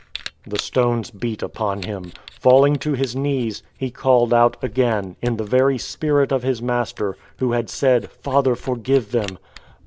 The stones beat upon him. Falling to his knees, he called out again, in the very spirit of his Master, Who had said, " Father, forgive them!"